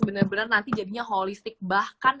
benar benar nanti jadinya holistik bahkan